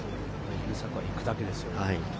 優作は行くだけですよ。